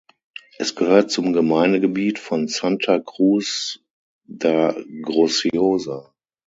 Es gehört zum Gemeindegebiet von Santa Cruz da Graciosa.